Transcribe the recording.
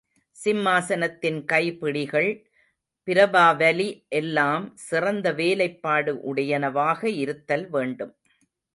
சிம்மாசனத்தின் கைபிடிகள், பிரபாவலி எல்லாம் சிறந்த வேலைப்பாடு உடையனவாக இருத்தல் வேண்டும்.